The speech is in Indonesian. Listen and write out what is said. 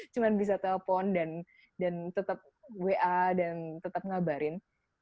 cuma bisa telepon dan tetap wa dan tetap ngabarin